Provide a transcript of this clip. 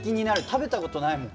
食べたことないもん。